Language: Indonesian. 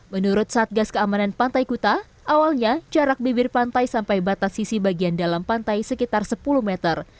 menurut satgas keamanan pantai kuta awalnya jarak bibir pantai sampai batas sisi bagian dalam pantai sekitar sepuluh meter